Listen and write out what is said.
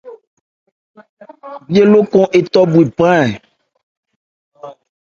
Bhye lókɔn étɔ bhwe pán.